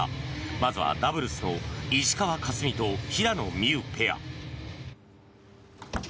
まずはダブルスの石川佳純と平野美宇ペア。